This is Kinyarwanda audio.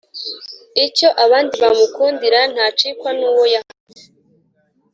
icyo abandi bamukundira ntacikwa n'uwo yahamije.